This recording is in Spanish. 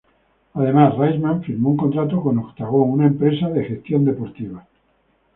Además, Raisman firmó un contrato con "Octagon", una empresa de management deportivo.